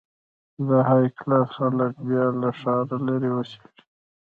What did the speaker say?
د های کلاس خلک بیا له ښاره لرې اوسېږي.